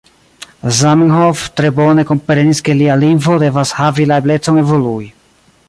Zamenhof tre bone komprenis, ke lia lingvo devas havi la eblecon evolui.